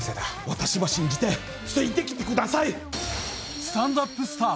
私ば信じてついてきてください！